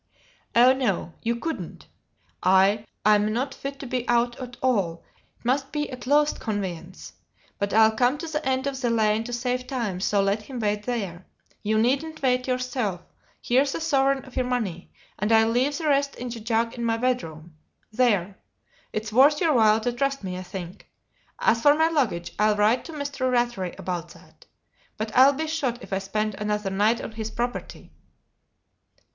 "Oh, no, you couldn't! I I'm not fit to be out at all; it must be a closed conveyance; but I'll come to the end of the lane to save time, so let him wait there. You needn't wait yourself; here's a sovereign of your money, and I'll leave the rest in the jug in my bedroom. There! It's worth your while to trust me, I think. As for my luggage, I'll write to Mr. Rattray about that. But I'll be shot if I spend another night on his property."